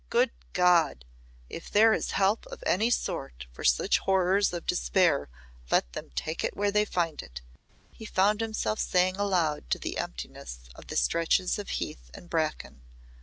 "Good God! If there is help of any sort for such horrors of despair let them take it where they find it," he found himself saying aloud to the emptiness of the stretches of heath and bracken.